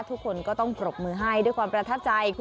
ทุกคนก็ต้องปรบมือให้ด้วยความประทับใจ